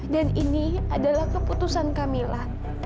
dan ini adalah keputusan kamila